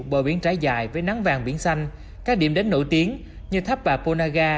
bờ biển trái dài với nắng vàng biển xanh các điểm đến nổi tiếng như tháp bà ponaga